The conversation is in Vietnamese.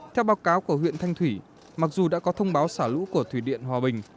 theo báo cáo của huyện thanh thủy mặc dù đã có thông báo xả lũ của thủy điện hòa bình